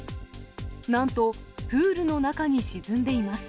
なんと、プールの中に沈んでいます。